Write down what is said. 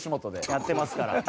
やってますから。